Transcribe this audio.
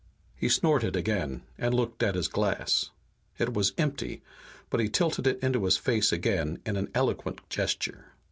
He snorted again, and looked at his glass. It was empty, but he tilted it into his face again in an eloquent gesture.